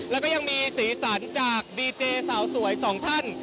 แล้วก็ยังมีสีสันจากดีเจสาวสวยสองท่าน